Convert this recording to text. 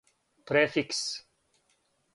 префикс